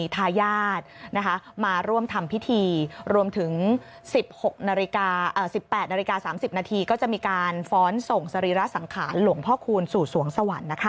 แบบ๓๐นาทีก็จะมีการฟ้อนส่งสรีรัฐสังขารหลวงพ่อคุณสู่สวงสวรรค์นะครับ